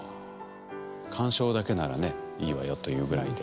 鑑賞だけならねいいわよというぐらいで。